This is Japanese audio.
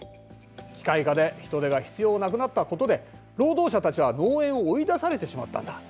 機械化で人手が必要なくなったことで労働者たちは農園を追い出されてしまったんだ。